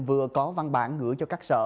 vừa có văn bản gửi cho các sở